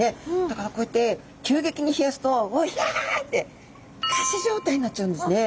だからこうやって急激に冷やすとうひゃって仮死状態になっちゃうんですね。